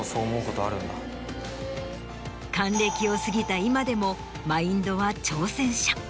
還暦を過ぎた今でもマインドは挑戦者。